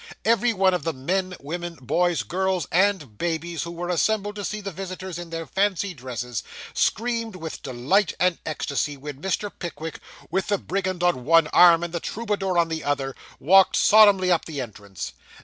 Every one of the men, women, boys, girls, and babies, who were assembled to see the visitors in their fancy dresses, screamed with delight and ecstasy, when Mr. Pickwick, with the brigand on one arm, and the troubadour on the other, walked solemnly up the entrance.